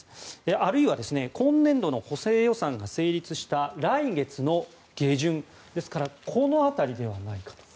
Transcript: あるいは今年度の補正予算が成立した来月の下旬この辺りではないかと。